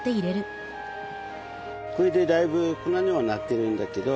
これでだいぶ粉にはなってるんだけど。